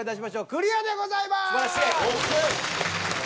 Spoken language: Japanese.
クリアでございます。